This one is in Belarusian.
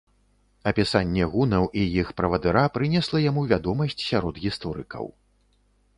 Апісанне гунаў і іх правадыра прынесла яму вядомасць сярод гісторыкаў.